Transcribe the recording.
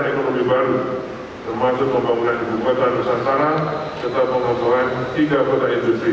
termasuk pembangunan ibu kota nusantara serta pembangunan tiga kota industri